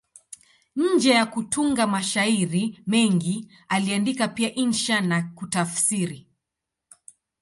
Nje ya kutunga mashairi mengi, aliandika pia insha na kutafsiri.